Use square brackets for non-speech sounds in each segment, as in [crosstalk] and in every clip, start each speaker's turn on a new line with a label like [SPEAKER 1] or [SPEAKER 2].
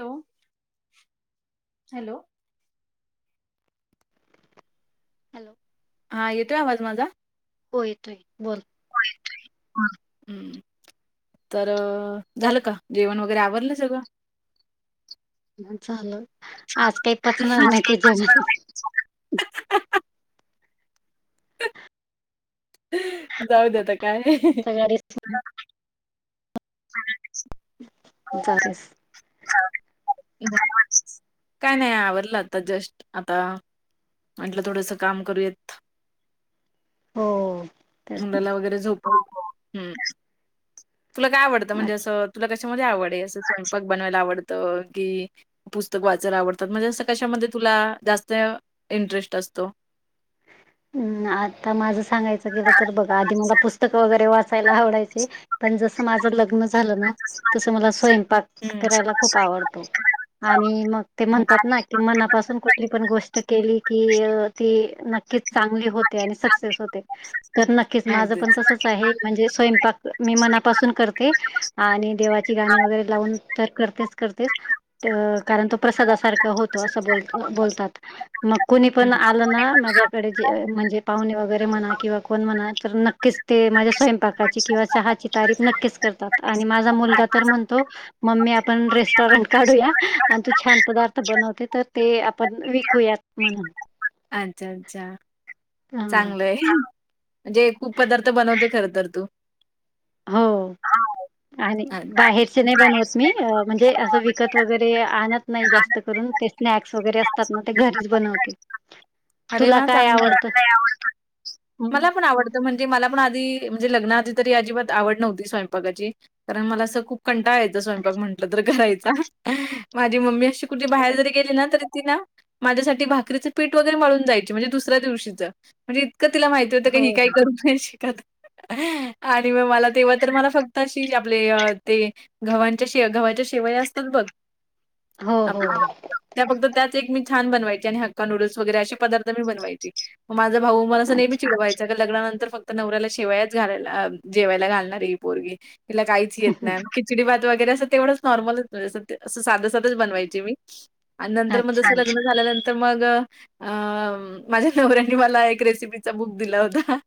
[SPEAKER 1] Hello hello.
[SPEAKER 2] Hello.
[SPEAKER 1] हा येतोय आवाज माझा?
[SPEAKER 2] हो येतोय बोल.
[SPEAKER 1] ह हम्म. तर, झालं का जेवण वगैरे आवरलं सगळं?
[SPEAKER 2] ह चाल. आज काही पचणार नाही ते जेवण
[SPEAKER 1] जाऊ द्या आता काय नाही
[SPEAKER 2] सगळ्यास
[SPEAKER 1] [unintelligible] [unintelligible] काय नई आवरल आता जस्ट आता. म्हटलं थोडंसं काम करूयात.
[SPEAKER 2] हो. तेच ना
[SPEAKER 1] मुलाला वगैरे झोपवतो. हम्म तुला काय आवडतं म्हणजे
[SPEAKER 2] अच्छा
[SPEAKER 1] असं? तुला कशामध्ये आवड आहे? असं स्वयंपाक बनवायला आवडतं कि पुस्तक वाचायला आवडतात, म्हणजे असं कशामध्ये तुला जास्त इंटरेस्ट असतो.
[SPEAKER 2] हम्म आता माझं सांगायचं गेलं तर बघा, आधी मला पुस्तक वगैरे वाच पहिलं आवडायचे, पण जस माझ लग्न झालं ना, तस मला स्वयंपाक
[SPEAKER 1] हम्म
[SPEAKER 2] करायला खूप आवडतो. आणि मग ते म्हणतात ना ती मनापासून कुठली पण गोष्ट केली, की ती नक्कीच चांगली होते आणि सक्सेस होते. तर नक्कीच माझं
[SPEAKER 1] अगदीच
[SPEAKER 2] पण तसच आहे. म्हणजे, स्वयंपाक मी मनापासून करते. आणि देवाची गाणी वगैरे लावून, तर करतेच करतेच कारण तो प्रसादासारखा होतो असं ब बोलतात मग कुणी पण
[SPEAKER 1] हम्म
[SPEAKER 2] आलं ना माझ्या म्हणजे पाहुणे वगैरे म्हणा किंवा कोण म्हणा नक्कीच स्वयंपाकाची किंवा चहाची तारीफ नक्कीच करतात आणि माझा मुलगा तर म्हणतो - मम्मी, आपण रेस्टॉरंट काढूया! आणि तू छान पदार्थ बनवते, तर ते आपण विकूयात. मला -
[SPEAKER 1] अच्छा, अच्छा!
[SPEAKER 2] हं.
[SPEAKER 1] चांगल हे. म्हणजे खूप पदार्थ बनवते. खर तर, तू.
[SPEAKER 2] हो,
[SPEAKER 1] हो.
[SPEAKER 2] आणि
[SPEAKER 1] अच्छा.
[SPEAKER 2] बाहेरचे नाही बनवत मी. म्हणजे असं विकत वगैरे आणत नाही. जास्त करून ते स्नॅक्स वगैरे असतात ना, ते घरीच बनवतेे.
[SPEAKER 1] [inaudible]
[SPEAKER 2] हं.
[SPEAKER 1] म्हणजे मला पण आधी, म्हणजे लग्ना आधी तरी, अजिबात आवड नव्हती स्वयंपाकाची, कारण मला असं खूप - कंटाळा यायचा. स्वयंपाक
[SPEAKER 2] अच्छा.
[SPEAKER 1] म्हंटलं तर करायचा. माझी मम्मी अशी कुठे बाहेर जरी गेली ना, तरी - ती न, माझ्यासाठी भाकरीचं पीठ वगैरे मळून जायची. म्हणजे दुसऱ्या दिवशीच, म्हणजे -
[SPEAKER 2] हो,
[SPEAKER 1] [unintelligible] [inaudible]
[SPEAKER 2] हो, हो.
[SPEAKER 1] त्या फक्त त्याच. एक मी छान बनवायची. आणि हक्का नूडल्स वगैरे असे पदार्थ मी बनवायची. [inaudible]
[SPEAKER 2] अच्छा,
[SPEAKER 1] [unintelligible] [unintelligible] असं साधं- साधच बनवायची मी, आणि नंतर मग
[SPEAKER 2] अच्छा.
[SPEAKER 1] जसं लग्न झाल्यानंतर मग -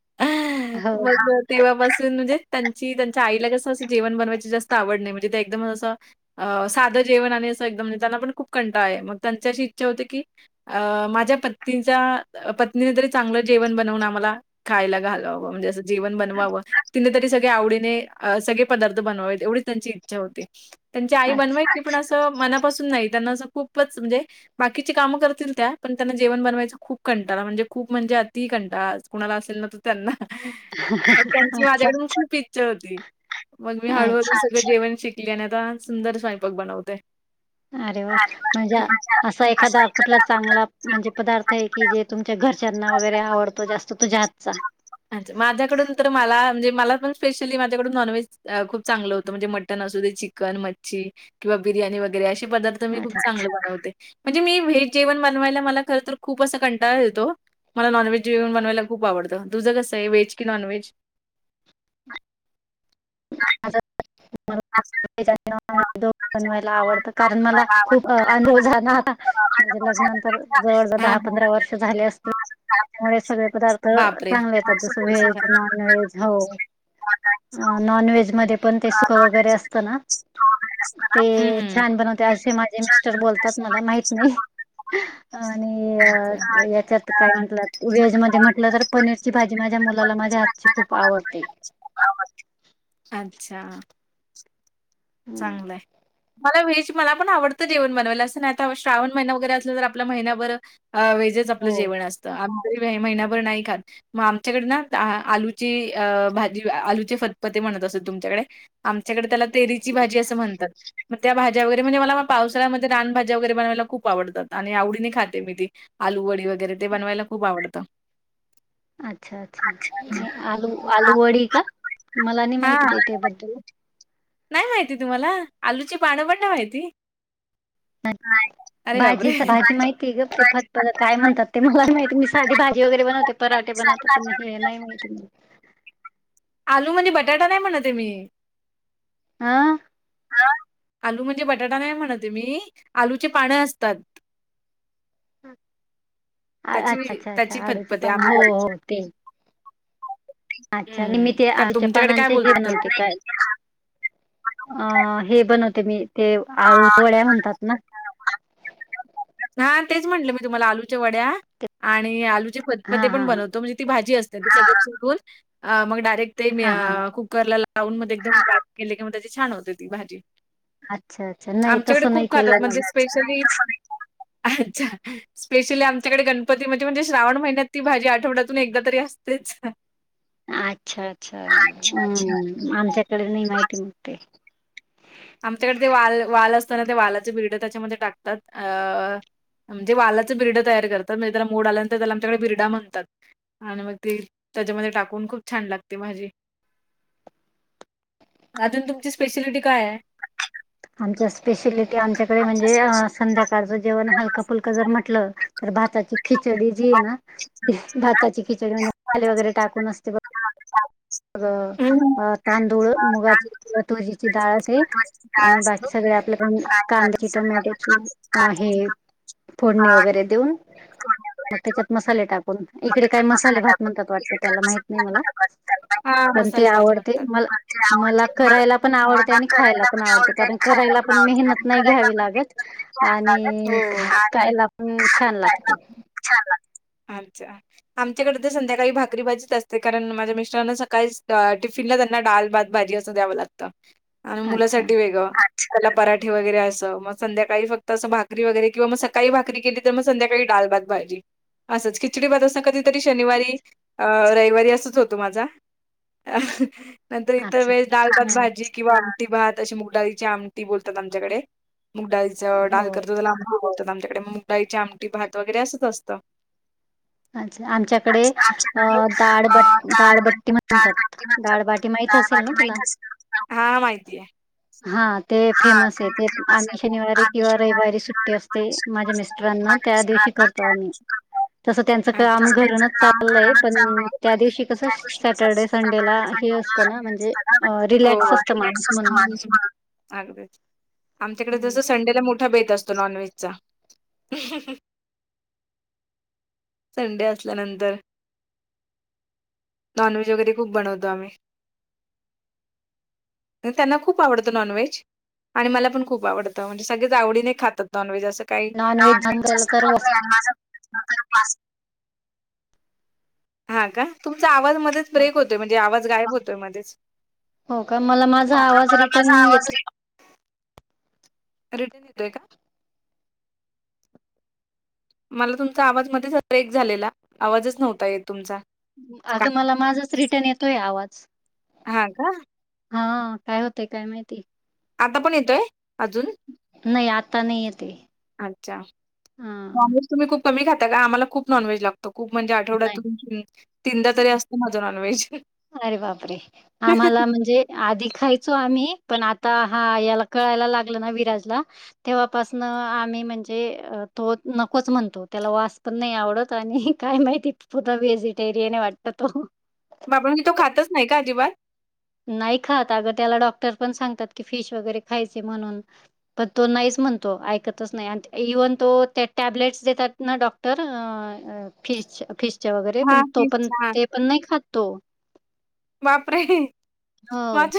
[SPEAKER 2] हो.
[SPEAKER 1] [unintelligible] तेव्हापासून म्हणजे त्यांची, त्यांच्या आईला कसं असं जेवण बनवायची जास्त आवड नाही. म्हणजे तया् एकदमच असं - [unintelligible] [unintelligible] [unintelligible] जेवण बनवावं. तिने तरी सगळे आवडीने सगळे पदार्थ बनवावेत, एवढी त्यांची इच्छा होती. त्यांची आई
[SPEAKER 2] अच्छा.
[SPEAKER 1] बनवायची? पण अस मनापासून नाही. त्यांना अस खूपच, म्हणजे बाकीची कामे करतील त्या, पण - त्यांना जेवण बनवायचं खूप कंटळा, म्हणजे खूप म्हणजे अति कंटळा, कुणाला असेल ना, त-
[SPEAKER 2] अच्छा, अच्छा.
[SPEAKER 1] [inaudible] जेवण शिकली आणि आता सुंदर स्वयंपाक बनवते.
[SPEAKER 2] अरे वा! म्हणजे असं, एखादा कुठला चांगला - म्हणजे पदार्थ आहे की जे तुमच्या घरच्यांना वगैरे
[SPEAKER 1] असावा.
[SPEAKER 2] आवडतो, जास्त तुझ्या हातचा.
[SPEAKER 1] अच्छा, माझ्याकडून तर मला म्हणजे मला पण स्पेशली माझ्याकडून नॉन व्हेज - [unintelligible]
[SPEAKER 2] अच्छा.
[SPEAKER 1] [inaudible] मला नॉनव्हेज जेवण बनवायला खूप आवडंत. तुझ कसं हे? व्हेज की नाॅनव्हेज?
[SPEAKER 2] [unintelligible]
[SPEAKER 1] तुम्हाला आवडतं तर मग
[SPEAKER 2] [unintelligible] म्हणजे लग्नानंतर जवळजवळ
[SPEAKER 1] हां,
[SPEAKER 2] दहा पंधरा वर्ष झाले असतील
[SPEAKER 1] हां.
[SPEAKER 2] त्यामुळे सगळे पदार्थ
[SPEAKER 1] बापरे!
[SPEAKER 2] चांगले येतात जसं व्हेज नॉन व्हेज हो नॉन व्हेज मध्ये पण ते सुखं वगैरे असतं ना ते
[SPEAKER 1] हं.
[SPEAKER 2] छान बनवते असे माझे मिस्टर बोलतात मला माहित नाही आणि याच्यात काय म्हटलं वेहेज मध्ये म्हटलं तर पनीरची भाजी माझ्या मुलाला माझ्या हातची खूप आवड ते
[SPEAKER 1] अच्छा चांगलंय मला व्हेज मला पण आवडतं जेवण बनवायला असं नाही आता श्रावण महिना वगैरे असलं तर आपल्या महिनाभर हा वेज चं आपल
[SPEAKER 2] हो
[SPEAKER 1] जेवण असत आम्ही तरी महिनाभर नाही खात. मं आमच्या कडे ना ता आलूची अ भाजी आलूची फद फद म्हणत असत. तुमच्याकडे, आमच्याकडे त्याला तेरीची भाजी असं म्हणतात. म त्या भाज्या वगैरे म्हणजे मला पावसाळ्यामध्ये रानभाज्या वगैरे बनवायला खूप आवडतात. आणि आवडीने खाते मी ती. आलूवडी वगैरे ते बनवायला खूप आवडतं.
[SPEAKER 2] अच्छा अच्छा
[SPEAKER 1] हं.
[SPEAKER 2] नय आलू आलू वडी का मला नाई माहिती बई त्या बद्दल
[SPEAKER 1] नाय माहिती तुम्हाला आलूची पाणं पण नाय माहिती
[SPEAKER 2] नाय
[SPEAKER 1] नाही. अरे बापरे!
[SPEAKER 2] भाजी भाजी माहितीय ग ते फद फद काय म्हणतात. ते मला माहिती मी साधी भाजी वगैरे बनवते पराठे बनवत पण हे नाय माहिती म
[SPEAKER 1] आलू म्हणजे बटाटा नाय म्हणत ये मी
[SPEAKER 2] आं
[SPEAKER 1] आ आलू म्हणजे बटाटा नाय म्हणत ये मी आलूची पान असतात.
[SPEAKER 2] आ अच्छा
[SPEAKER 1] त्याची
[SPEAKER 2] अच्छा अच्छा
[SPEAKER 1] त्याची
[SPEAKER 2] आडूचे
[SPEAKER 1] फतफते
[SPEAKER 2] पान
[SPEAKER 1] आम्ही
[SPEAKER 2] हो हो
[SPEAKER 1] बोलतो.
[SPEAKER 2] ते अच्छा नी मी
[SPEAKER 1] हम्म.
[SPEAKER 2] ते
[SPEAKER 1] तर
[SPEAKER 2] आळुच्या
[SPEAKER 1] तुमच्याकडे काय
[SPEAKER 2] पानांचे हें
[SPEAKER 1] बोलतात
[SPEAKER 2] बनवते
[SPEAKER 1] त्याला?
[SPEAKER 2] काय? अ हे बनवते मी ते आळू च वड्या म्हणतात ना
[SPEAKER 1] हा तेच म्हंटलं मी तुम्हाला आलूच्या वड्या आणि आलूचे
[SPEAKER 2] हा
[SPEAKER 1] फतफदे पण
[SPEAKER 2] हा
[SPEAKER 1] बनवतो म्हणजे ती भाजी असत आधी सगळं शिकून मग डायरेक्ट ते मी
[SPEAKER 2] हा हा
[SPEAKER 1] आ कुक करला लावून म ते एकदम स्टात केले की मग त्याची छान होते ती भाजी.
[SPEAKER 2] अच्छा अच्छा नाय
[SPEAKER 1] आमच्याकडे
[SPEAKER 2] तसं नाय
[SPEAKER 1] खूप
[SPEAKER 2] केलंय
[SPEAKER 1] खातात म्हणजे
[SPEAKER 2] मग
[SPEAKER 1] स्पेशली अच्छा स्पेशली आमच्याकडे गणपती म्हणजे म्हणजे श्रावण महिन्यात ती भाजी आठवड्यातून एकदा तरी असतेच.
[SPEAKER 2] अच्छा अच्छा हम् आमच्याकडे नाही माहिती मग ते
[SPEAKER 1] आमच्याकडे ते वाल वाल असत ना ते वालाचे बिरड त्याच्यामध्ये टाकतात अ म्हणजे वालाचं बिरड तयार करतात म्हणज त्याला मोड आल्यानंतर त्याला आमच्याकडे बिर्डा म्हणतात. आणि मग ती त्याच्यामध्ये टाकून खूप छान लागते भाजी. अजून तुमची स्पेशिलिटी काय आहे.
[SPEAKER 2] आमच्या स्पेशलिटी आमच्याकडे म्हणजे संध्याकाळचं जेवण हलक फुलकं जर म्हटलं तर भाताची खिचडी जी ये नाी भाताची खिचडी म्हणजे [unintelligible] वगैरे टाकून असते बघ मग
[SPEAKER 1] हम्म.
[SPEAKER 2] अ तांदूळ
[SPEAKER 1] अं, डाळ
[SPEAKER 2] मुगाची किंवा तुवजची
[SPEAKER 1] भाजी,
[SPEAKER 2] डाळ असे
[SPEAKER 1] महत्वाची डाळ
[SPEAKER 2] आणि
[SPEAKER 1] असते
[SPEAKER 2] बाकी सगळे आपल्या पण
[SPEAKER 1] आणि
[SPEAKER 2] कांदया
[SPEAKER 1] भाजी
[SPEAKER 2] ची
[SPEAKER 1] सगळ्या
[SPEAKER 2] टोमॅटो
[SPEAKER 1] घालून
[SPEAKER 2] ची
[SPEAKER 1] कांद्याची
[SPEAKER 2] मं हें
[SPEAKER 1] भा-
[SPEAKER 2] फोडणी
[SPEAKER 1] आणि
[SPEAKER 2] वगैरे देऊन
[SPEAKER 1] फोडणी
[SPEAKER 2] मग
[SPEAKER 1] वगैरे देऊन
[SPEAKER 2] त्याच्यात मसाले टाकून
[SPEAKER 1] मग
[SPEAKER 2] इकडे काय
[SPEAKER 1] त्याच्यात
[SPEAKER 2] मसाले
[SPEAKER 1] मसाला
[SPEAKER 2] भात
[SPEAKER 1] टाकून
[SPEAKER 2] म्हणतात वाटत
[SPEAKER 1] इकडे काय
[SPEAKER 2] त्याला माहित नाय
[SPEAKER 1] मसाला
[SPEAKER 2] मला
[SPEAKER 1] टाकतात हा म्हणतात?
[SPEAKER 2] पण ते
[SPEAKER 1] मसाले भात
[SPEAKER 2] आवडते
[SPEAKER 1] म्हणतात
[SPEAKER 2] म
[SPEAKER 1] पण ते
[SPEAKER 2] मला
[SPEAKER 1] आवडते
[SPEAKER 2] करायला पण आवडते
[SPEAKER 1] मला
[SPEAKER 2] आणि खायला
[SPEAKER 1] करायला
[SPEAKER 2] पण आवडते कारण
[SPEAKER 1] आणि खायला
[SPEAKER 2] करायला पण
[SPEAKER 1] आवडते कारण
[SPEAKER 2] मेहनत नाय
[SPEAKER 1] करायला
[SPEAKER 2] घ्यावी
[SPEAKER 1] पण ते
[SPEAKER 2] लागत.
[SPEAKER 1] नसते घ्यायला
[SPEAKER 2] आणि
[SPEAKER 1] लागत हो आणि
[SPEAKER 2] खायला पण छान लागते.
[SPEAKER 1] आमच्या आमच्याकड तर संध्याकाळी भाकरी भाजीच असते कारण माझ्या मिस्टरांना सकाळी टिफिनला त्यांना डाल भात भाजी अस चं द्यावं लागत आणि
[SPEAKER 2] अच्छा
[SPEAKER 1] मुलासाठी वेगंळ त्याला पराठे वगैरे असं मग संध्याकाळी फक्त असं भाकरी वगैरे किंवा मग सकाळी भाकरी केली तर मग संध्याकाळी दाल भात भाजी. असंच खिचडी भात अस कधीतरी शनिवारी अ रविवारी असच होतो माझा. अ नंतर इतर
[SPEAKER 2] अच्छा
[SPEAKER 1] वेळेस दाल भात
[SPEAKER 2] हा
[SPEAKER 1] भाजी किंवा आमटी भात अशी मुगडाची आमटी बोलतात आमच्याकडे मुगडाळीच
[SPEAKER 2] हो
[SPEAKER 1] डाल करतात त्याला आम बोलतात आमच्याकडे मग मुग डाळी ची आमटी भात वगैरे असंच असतं.
[SPEAKER 2] अच्छा
[SPEAKER 1] आम
[SPEAKER 2] आमच्याकडे अ
[SPEAKER 1] आमच्याकडे अ
[SPEAKER 2] दाळबट
[SPEAKER 1] डाळ ब
[SPEAKER 2] दाळबट्टी
[SPEAKER 1] डाळ
[SPEAKER 2] म्हणतात
[SPEAKER 1] बट्टी म्हणतात
[SPEAKER 2] दाळबाटी माहित असेल ना तुला
[SPEAKER 1] डाळ हा माहितीय.
[SPEAKER 2] हा ते
[SPEAKER 1] हा
[SPEAKER 2] फेमस
[SPEAKER 1] ते
[SPEAKER 2] आहे
[SPEAKER 1] फेमस
[SPEAKER 2] आम्ही
[SPEAKER 1] आहे
[SPEAKER 2] शनिवारी
[SPEAKER 1] पाणी
[SPEAKER 2] किंवा
[SPEAKER 1] किनारत
[SPEAKER 2] रविवारी सुट्टी असते माझ्या मिस्टरांना त्या दिवशी करतो आम्ही
[SPEAKER 1] [unintelligible] [inaudible]
[SPEAKER 2] तसं त्यांचं काम
[SPEAKER 1] स त्यांच
[SPEAKER 2] घरूनच
[SPEAKER 1] काम
[SPEAKER 2] चाललंय
[SPEAKER 1] करण
[SPEAKER 2] पण
[SPEAKER 1] चांगलं आहे
[SPEAKER 2] त्या दिवशी कसं
[SPEAKER 1] त्या ग
[SPEAKER 2] सॅटर्डे
[SPEAKER 1] कस
[SPEAKER 2] संडेला हे असतं ना म्हणजे
[SPEAKER 1] हो
[SPEAKER 2] रिलॅक्स असतं माणूस म्हणून
[SPEAKER 1] हो अगदीचं आमच्याकडे जस संडेला मोठा बेत असतो नॉनव्हेजचा संडे असल्यानंतर नॉन व्हेज वगैरे खूप बनवतो आम्ही. त्यांना खूप आवडतं नॉनव्हेज. आणि मला पण खूप आवडं म्हणजे सगळेच आवडी नाही खात नॉनव्हेज असं.
[SPEAKER 2] नॉन व्हेज झालं
[SPEAKER 1] काॉनज
[SPEAKER 2] तर वॉस
[SPEAKER 1] ख माझ [unintelligible] हा का तुमचा आवाज मध्येच ब्रेक होतोय म्हणजे आवाज गायब होतोय मध्येच
[SPEAKER 2] हो का मला माझा
[SPEAKER 1] हो प
[SPEAKER 2] आवाज
[SPEAKER 1] मला माझा
[SPEAKER 2] रिटर्न
[SPEAKER 1] आवाज
[SPEAKER 2] येतो
[SPEAKER 1] आहे. रिटर्न येतोय का. मला तुमचा आवाज मध्ये ब्रेक झालेला आवाजच नव्हता येत तुमचा.
[SPEAKER 2] अगं मला माझाच रिटर्न येतोय आवाज.
[SPEAKER 1] हा का.
[SPEAKER 2] हा काय होतय काय माहिती.
[SPEAKER 1] आता पण येतोय अजून.
[SPEAKER 2] नाही आता नाही येते.
[SPEAKER 1] अच्छा
[SPEAKER 2] हा
[SPEAKER 1] नॉनव्हेज तुम्ही खूप कमी खाता का आम्हाला खूप नॉनव्हेज लागतो. खूप म्हणजे
[SPEAKER 2] नाही
[SPEAKER 1] आठवड्यातून तीनदा तरी असतं माझं नॉनव्हेज.
[SPEAKER 2] अरे बाप रे आम्हाला म्हणजे. आधी खायचो आम्ही पण आता हा याला कळायला लागल ना विराजला. तेव्हापासन आम्ही म्हणजे तो नकोच म्हणतो त्याला वास पण नाही आवडत आणि काय माहिती पुता व्हेजिटेरियन आहे वाटत तो.
[SPEAKER 1] बापण मी तो खातच नाही का अजिबात.
[SPEAKER 2] नाही खात अग त्याला डॉक्टर पण सांगतात की फिश वगैरे खायचे म्हणून पण तो नाहीच म्हणतो ऐकतच नाही आणि इव्हन तो त्या टॅबलेट्स देतात ना डॉक्टर. फिश फिशच्या वगैरे
[SPEAKER 1] हा
[SPEAKER 2] पण तो पण
[SPEAKER 1] तेच हा
[SPEAKER 2] ते पण नाही खातो.
[SPEAKER 1] बापरे
[SPEAKER 2] हो.
[SPEAKER 1] माझ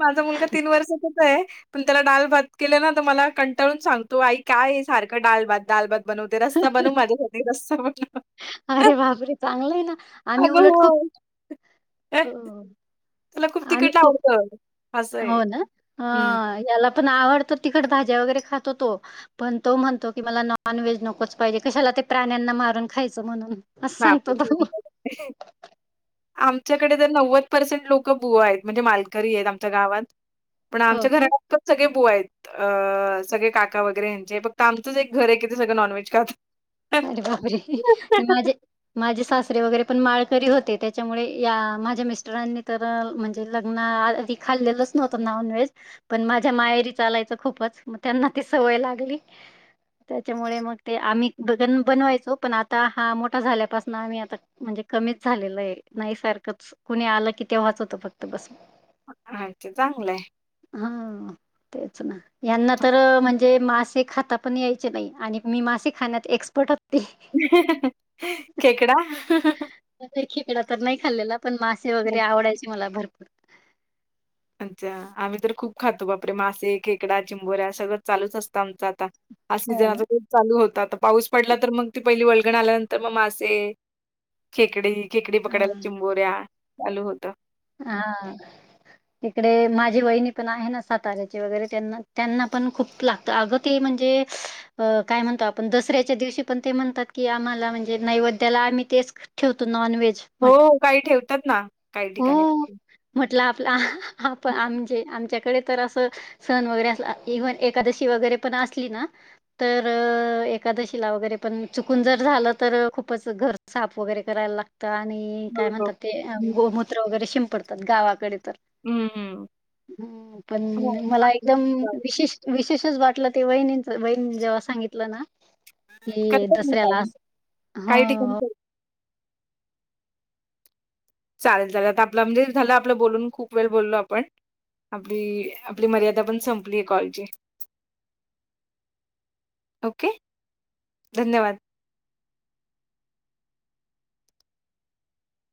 [SPEAKER 1] माझा मुलगा तीन वर्षाचा च आहे. पण त्याला डाल भात केले ना तर मला कंटाळून सांगतो आई काय आहे सारखं डाल भात डाल भात बनव ते रस्ता बनवू माझ्यासाठी रस्ता बनव.
[SPEAKER 2] अरे बापरे चांगलं आहे ना आम्ही
[SPEAKER 1] अगं
[SPEAKER 2] उलट खूप
[SPEAKER 1] हो, त्याला खूप
[SPEAKER 2] आम्ही
[SPEAKER 1] तिकीट
[SPEAKER 2] खूप
[SPEAKER 1] आवडतं. असं आहे.
[SPEAKER 2] हो ना
[SPEAKER 1] हं.
[SPEAKER 2] याला पण आवडतं तिकड भाज्या वगैरे खातो तो पण तो म्हणतो की मला नॉन व्हेज नकोच पाहिजे कशाला ते प्राण्यांना मारून खायचं म्हणून असं
[SPEAKER 1] हप
[SPEAKER 2] सांगतो तो.
[SPEAKER 1] [unintelligible] आमच्याकडे तर नव्वद पर्सेंट लोक बुआ आहेत म्हणजे मालकरी आहेत आमच्या गावात पण
[SPEAKER 2] हो
[SPEAKER 1] आमच्या
[SPEAKER 2] का?
[SPEAKER 1] घरात पण सगळे बुआ आहेत अं सगळे काका वगैरे यांचे फक्त आमचंच एक घर आहे कि ते सगळं नॉनव्हेज खात
[SPEAKER 2] अरे बाबरे माझे. माझे सासरे वगैरे पण माळकरी होते त्याच्यामुळे या माझ्या मिस्टरांनी तर म्हणजे लग्ना खाल्लेलंच नव्हतं नॉनव्हेज. पण माझ्या मायरी चालायचं खूपच मग त्यांना ती सवय लागली. त्याच्यामुळे मग ते आम्ही ब बनवायचो पण आता हा मोठा झाल्यापासून आम्ही आता म्हणजे कमीच झालेलं आहे नाही सारखंच कुणी आलं की तेव्हाच होतं फक्त बस.
[SPEAKER 1] अच्छा चांगलंय.
[SPEAKER 2] हा. तेच ना, यांना तर म्हणजे मासे खाता पण यायचे नाही, आणि मी मासे खाण्यात. एक्सपर्ट होती.
[SPEAKER 1] खेकडा.
[SPEAKER 2] कधी खेकडा तर नाही खाल्लेला पण, मासे वगैरे आवडायचे मला भरपूर.
[SPEAKER 1] अच्छा आम्ही तर खूप खातो बापरे मासे खेकडा चिंबोऱ्या सगळं चालूच असतं आमचं आता. हा
[SPEAKER 2] हो ना
[SPEAKER 1] सीझनचा खूप चालू होता आता पाऊस पडला तर मग ती पहि वळगण आल्यानंतर मग मासे खेकडी खकडी पकडायला
[SPEAKER 2] हा
[SPEAKER 1] चिंबोऱ्या चालू होतं
[SPEAKER 2] हा. तिकडे माझी वहिणी पण आहे ना साताऱ्याची वगैरे त्यांना, त्यांना पण खूप ला. अगं ते म्हणजे अ काय म्हणतो आपण दसऱ्याच्या दिवशी पण ते म्हणतात की, आम्हाला म्हणजे, नैवेद्याला आम्ही तेच ठेव तू नॉनव्हेज. म्हण
[SPEAKER 1] हो, काही ठेवतात ना, काही ठिकाणी.
[SPEAKER 2] हो म्हटलं आपलं आप आमजे आमच्याकडे तर असं. सण वगैरे अस इव्हन एकादशी वगैरे पण असली ना. तर, एकादशीला वगैरे पण चुकून जर झालं तर खूपच घर साफ वगैरे करायला लागत. त आणि
[SPEAKER 1] हो,
[SPEAKER 2] काय
[SPEAKER 1] हो.
[SPEAKER 2] म्हणतात, ते
[SPEAKER 1] हं,
[SPEAKER 2] गोमूत्र वगैरे शिंपडतात गावाकडे तर.
[SPEAKER 1] हं, हं.
[SPEAKER 2] ह पण
[SPEAKER 1] हो.
[SPEAKER 2] मला एकदम भी विशेष, विशेषच वाटलं ते वहिणींच वहिणी जेव्हा सांगितलं ना. कि
[SPEAKER 1] करतात ना काही.
[SPEAKER 2] दसऱ्यालास हो.
[SPEAKER 1] काही ठिकाणी करतात. चालेल चालेल आता आपलं म्हणजे झालं आपलं बोलून खूप वेळ बोललो आपण. आपली, आपली मर्यादा पण संपली आहे कॉलची. ओके धन्यवाद.